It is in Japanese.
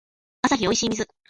アサヒおいしい水